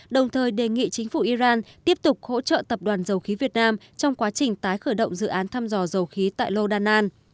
đồng thời đề nghị chính phủ iran tiếp tục hỗ trợ tập đoàn dầu khí việt nam trong quá trình tái khởi động dự án thăm dò dầu khí tại lodan